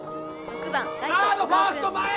サードファースト前へ！